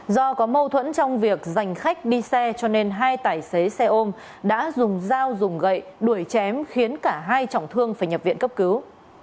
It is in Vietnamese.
do có mâu thuẫn trong việc dành khách đi xe cho nên hai tài xế xe ôm đã dùng dao dùng gậy đuổi chém khiến cả hai trọng thương phải nhập viện cấp cứu